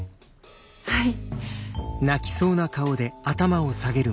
はい。